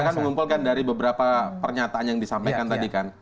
saya kan mengumpulkan dari beberapa pernyataan yang disampaikan tadi kan